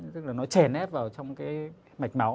tức là nó trẻ nét vào trong cái mạch máu